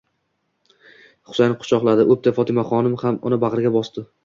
Husayin quchoqladi, o'pdi. Fotimaxonim ham uni bag'iga bosdi: